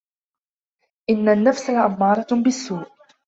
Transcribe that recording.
إنَّ النَّفْسَ لَأَمَّارَةٌ بِالسُّوءِ